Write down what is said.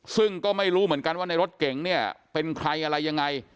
ซึ่งก็ไม่รู้เหมือนกันว่าในรถเก๋งเนี่ยเป็นใครอะไรยังไง